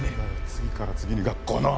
次から次に学校の。